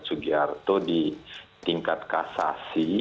sugiarto di tingkat kasasi